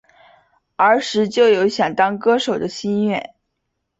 儿时就有想当歌手的心愿。